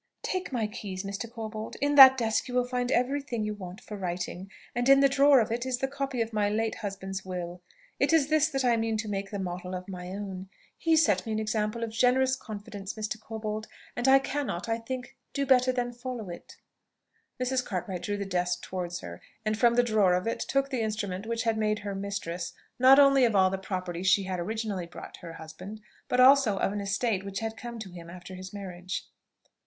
"Take my keys, Mr. Corbold; in that desk you will find every thing you want for writing; and in the drawer of it is the copy of my late husband's will. It is this that I mean to make the model of my own. He set me an example of generous confidence, Mr. Corbold, and I cannot, I think, do better than follow it." Mrs. Cartwright drew the desk towards her, and from the drawer of it took the instrument which had made her mistress, not only of all the property she had originally brought her husband, but also of an estate which had come to him after his marriage.